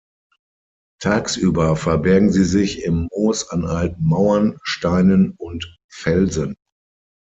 Tagsüber verbergen sie sich im Moos an alten Mauern, Steinen und Felsen.